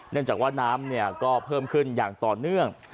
เนื่องจากว่าน้ำก็เพิ่มขึ้นอย่างต่อเนื่อง